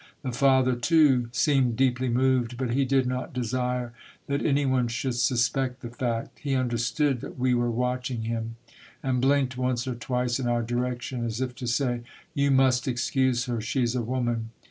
The father too seemed deeply moved, but he did not desire that any one should suspect the fact. He understood that we were watching him, and blinked once or twice in our direction, as if to say, —*' You must excuse her. She 's a woman."